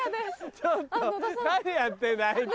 ちょっと何やってんだあいつ。